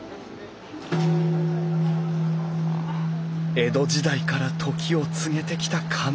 江戸時代から時を告げてきた鐘。